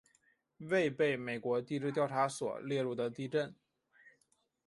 未被美国地质调查所列入的地震